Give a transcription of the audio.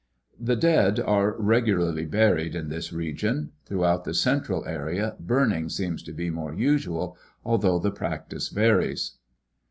The dead are regularly buried in this region. Throughout the central area burning seems to be more usual, although the practice varies.